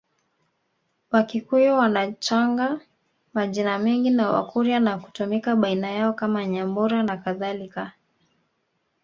Wakikuyu wanachanga majina mengi na Wakurya na kutumika baina yao kama Nyambura nakadhalika